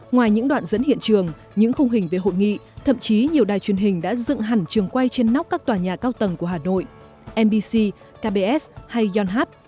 ngoài những đoạn dẫn hiện trường những khung hình về hội nghị thậm chí nhiều đài truyền hình đã dựng hẳn trường quay trên nóc các tòa nhà cao tầng của hà nội mbc kbs hay yonhap